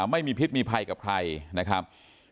ไม่มีพิษมีภัยกับใครนะครับ